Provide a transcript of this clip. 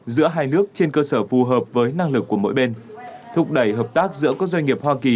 giữa hai nước trên cơ sở phù hợp với năng lực của mỗi bên thúc đẩy hợp tác giữa các doanh nghiệp hoa kỳ